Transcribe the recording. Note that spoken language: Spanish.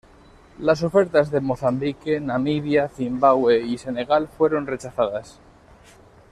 Las ofertas de Mozambique, Namibia, Zimbabue y Senegal fueron rechazadas.